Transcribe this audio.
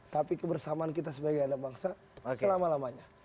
tapi kebersamaan kita sebagai anak bangsa selama lamanya